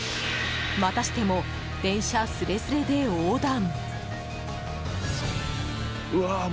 またしても、電車すれすれで横断。